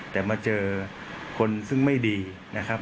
แต่มาเจอคนซึ่งไม่ดีนะครับ